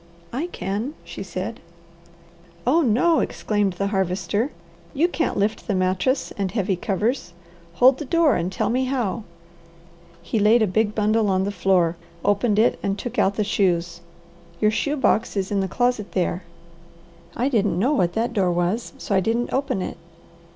"I can," she said. "Oh no!" exclaimed the Harvester. "You can't lift the mattress and heavy covers. Hold the door and tell me how." He laid a big bundle on the floor, opened it, and took out the shoes. "Your shoe box is in the closet there." "I didn't know what that door was, so I didn't open it."